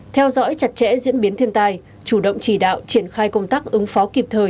hai theo dõi chặt chẽ diễn biến thiên tài chủ động chỉ đạo triển khai công tác ứng phó kịp thời